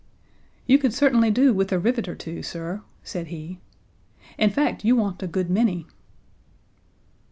"You could certainly do with a rivet or two, sir," said he. "In fact, you want a good many."